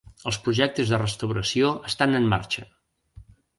Els projectes de restauració estan en marxa.